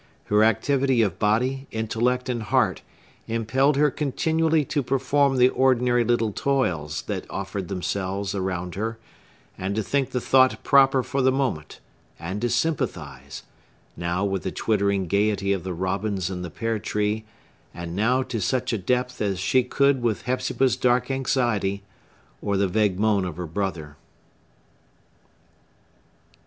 Her activity of body, intellect, and heart impelled her continually to perform the ordinary little toils that offered themselves around her, and to think the thought proper for the moment, and to sympathize,—now with the twittering gayety of the robins in the pear tree, and now to such a depth as she could with Hepzibah's dark anxiety, or the vague moan of her brother.